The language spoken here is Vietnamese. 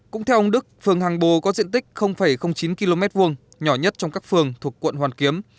cũng theo ông đức phường hàng bồ có diện tích chín km hai nhỏ nhất trong các phường thuộc quận hoàn kiếm